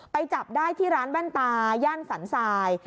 จับได้ที่ร้านแว่นตาย่านสันทราย